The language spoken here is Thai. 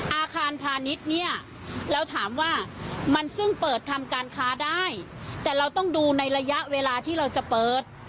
อาคารพาณิชย์เนี่ยเราถามว่ามันซึ่งเปิดทำการค้าได้แต่เราต้องดูในระยะเวลาที่เราจะเปิด